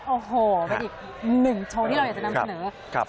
โอ้โหเป็นอีกหนึ่งโชว์ที่เราอยากจะนำเสนอ